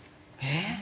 えっ！